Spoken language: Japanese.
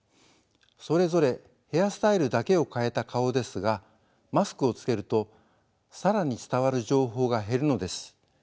それぞれヘアスタイルだけを変えた顔ですがマスクをつけると更に伝わる情報が減るのです。